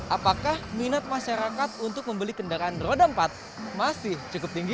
apakah minat masyarakat untuk membeli kendaraan roda empat masih cukup tinggi